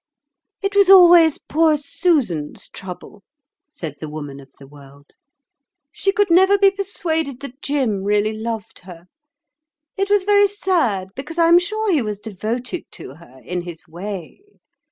"It was always poor Susan's trouble," said the Woman of the World; "she could never be persuaded that Jim really loved her. It was very sad, because I am sure he was devoted to her, in his way.